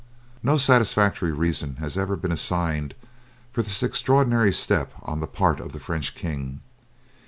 No satisfactory reasons ever have been assigned for this extraordinary step on the part of the French king.